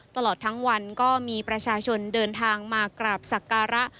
ตลอดทั้งวันก็มีประชาชนเดินทางมากราบสักการะ